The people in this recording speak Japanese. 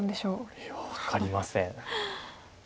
いや分かりません。